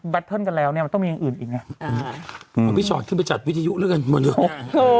ผ่อนกันแล้วเนี่ยแต่มันต้องมีอย่างอื่นอีก